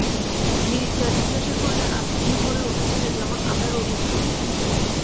নীরজা জিজ্ঞাসা করলে, আজ তুমি ভোরে উঠেছিলে, যেমন আমরা রোজ উঠতুম?